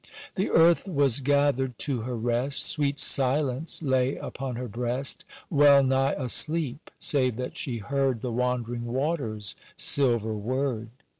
"The earth was gathered to her rest, Sweet silence lay upon her breast, Well nigh asleep, save that she heard The wandering waters' silver word.